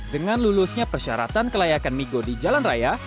dengan lulusnya persyaratan kelayakan migo di jalan raya